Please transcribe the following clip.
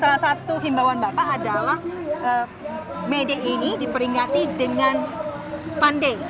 salah satu himbawan bapak adalah may day ini diperingati dengan pandai